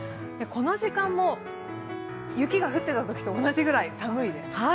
この時間も雪が降っていたときと同じぐらい寒いです。